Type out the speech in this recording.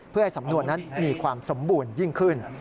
เพื่อให้สำนวนนั้นมีความสมบูรณ์ยิ่งขึ้น